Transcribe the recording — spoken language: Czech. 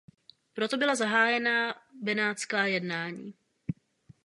Proto byla zahájena "benátská jednání".